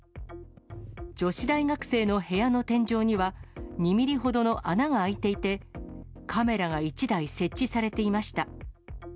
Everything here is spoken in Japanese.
女子大学生の部屋の天井には、２ミリほどの穴が開いていて、カメラが１台設置されていました。